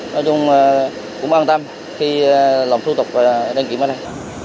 nói chung cũng an tâm khi làm thủ tục đăng kiểm ở đây